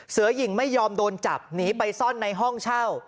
เสือหญิงไม่ยอมโดนจับหนีไปซ่อนในห้องเช่า